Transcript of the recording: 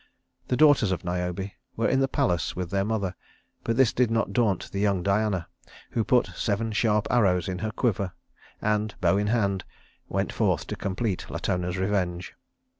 The daughters of Niobe were in the palace with their mother; but this did not daunt the young Diana, who put seven sharp arrows in her quiver, and, bow in hand, went forth to complete Latona's revenge.